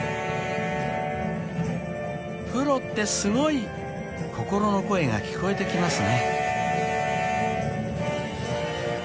［プロってすごい］［心の声が聞こえてきますね］